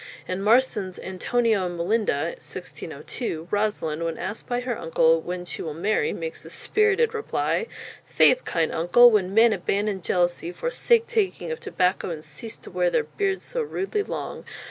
In Marston's "Antonio and Mellinda," 1602, Rosaline, when asked by her uncle when she will marry, makes the spirited reply "Faith, kind uncle, when men abandon jealousy, forsake taking of tobacco, and cease to wear their beards so rudely long.